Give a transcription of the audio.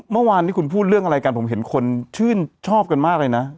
เมื่อวานนี้คุณพูดเรื่องอะไรกันผมเห็นคนชื่นชอบกันมากเลยนะ